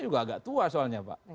juga agak tua soalnya pak